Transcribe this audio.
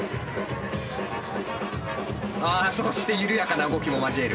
あぁそして緩やかな動きも交える。